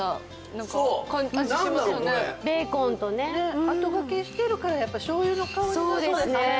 これベーコンとね後がけしてるからやっぱ醤油の香りが・そうですね